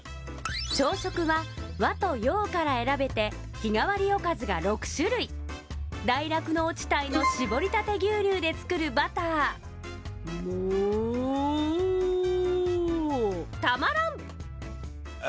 朝食は和と洋から選べて日替わりおかずが６種類大酪農地帯の搾りたて牛乳で作るバターモーたまらん！